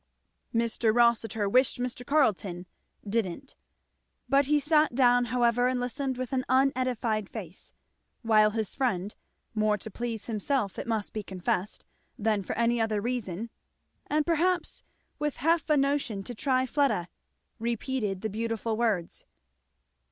Mr. Rossitur wished Mr. Carleton didn't. But he sat down, however, and listened with an unedified face; while his friend, more to please himself it must be confessed than for any other reason, and perhaps with half a notion to try Fleda, repeated the beautiful words.